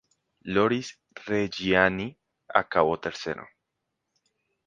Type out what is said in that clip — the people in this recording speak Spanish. Loris Reggiani acabó tercero.